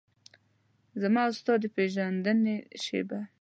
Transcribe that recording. زما او ستا د پیژندنې شیبه